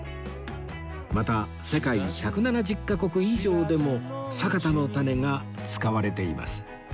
また世界１７０カ国以上でもサカタのタネが使われています